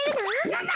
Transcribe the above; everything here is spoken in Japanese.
なんだ？